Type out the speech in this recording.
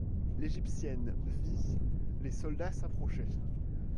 L’égyptienne vit les soldats s’approcher.